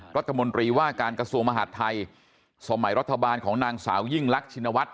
รัฐมนตรีว่าการกระทรวงมหาดไทยสมัยรัฐบาลของนางสาวยิ่งรักชินวัฒน